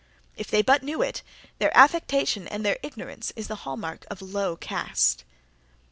If they but knew it, their affectation and their ignorance is the hall mark of low caste.